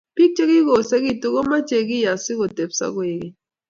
Biik chegikoosigitu komache kiy asigo tebso keok keny---